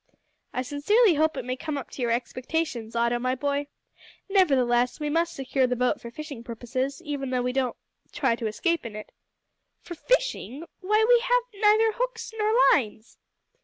"I sincerely hope it may come up to your expectations, Otto, my boy; nevertheless we must secure the boat for fishing purposes, even though we don't try to escape in it." "For fishing! why, we have neither hooks nor lines."